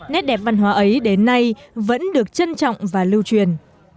nét đẹp văn hóa ấy đến nay vẫn được trân trọng và lưu truyền